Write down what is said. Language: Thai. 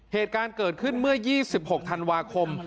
เหตุการณ์เกิดขึ้นเมื่อ๒๖ธันวาคม